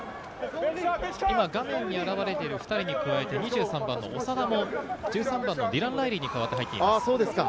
画面に現れている２人に加えて、２３番の長田が１３番のディラン・ライリーに代わって入っています。